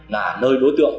là nơi đối tượng